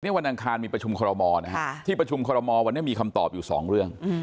วันอังคารมีประชุมคอรมอลนะฮะที่ประชุมคอรมอลวันนี้มีคำตอบอยู่สองเรื่อง